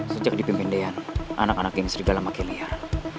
sejak di pimpin deyan anak anak yang serigala makin liar